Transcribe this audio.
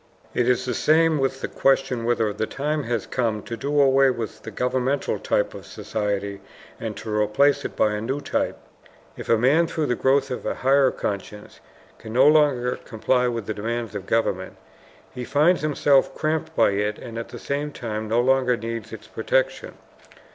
It is the same with the question whether the time has come to do away with the governmental type of society and to replace it by a new type. If a man, through the growth of a higher conscience, can no longer comply with the demands of government, he finds himself cramped by it and at the same time no longer needs its protection.